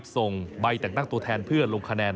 ส่งใบแต่งตั้งตัวแทนเพื่อลงคะแนน